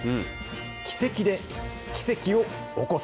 軌跡で奇跡を起こす。